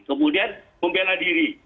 kemudian pembela diri